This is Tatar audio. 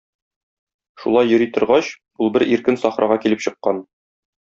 Шулай йөри торгач, ул бер иркен сахрага килеп чыккан.